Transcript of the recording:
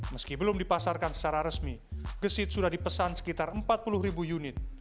meski belum dipasarkan secara resmi gesit sudah dipesan sekitar empat puluh ribu unit